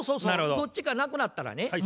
どっちか亡くなったらね